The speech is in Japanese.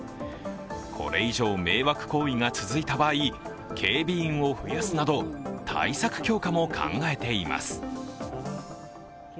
これ以上迷惑行為が続いた場合警備員を増やすなど対策強化も考えています。